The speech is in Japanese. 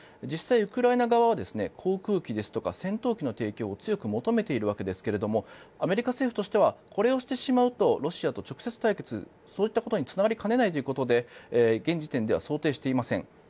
実際、ウクライナ側は航空機や戦闘機の提供を強く求めているわけですがアメリカ政府としてはこれをしてしまうとロシアと直接対決そういったことにつながりかねないということで現時点では想定していません。